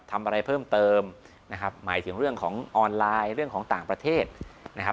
ทำอะไรเพิ่มเติมนะครับหมายถึงเรื่องของออนไลน์เรื่องของต่างประเทศนะครับ